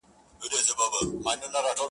ما ویل ځوانه د ښکلا په پرتله دي عقل کم دی،